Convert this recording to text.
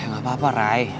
gak apa apa rai